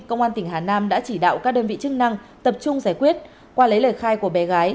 công an tỉnh hà nam đã chỉ đạo các đơn vị chức năng tập trung giải quyết qua lấy lời khai của bé gái